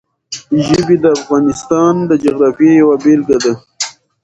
ژبې د افغانستان د جغرافیې یوه بېلګه ده.